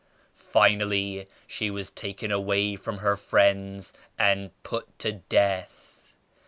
Finally she was taken away from her friends and put to death.